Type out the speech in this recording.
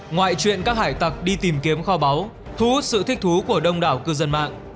ngoại truyện các hải tặc đi tìm kiếm kho báu thú sự thích thú của đông đảo cư dân mạng